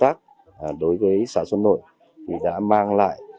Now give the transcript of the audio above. các cán bộ chiến sĩ